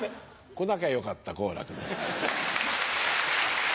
来なきゃよかった好楽です。